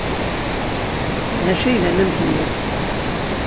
D acu ay d anamek-nnes?